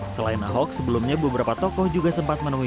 selain ahok sebelumnya beberapa tokoh juga sempat menemui